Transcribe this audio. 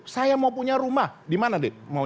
saya mau punya rumah di mana